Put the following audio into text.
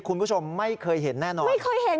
คุณผู้ชมไม่เคยเห็นแน่นอน